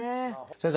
先生。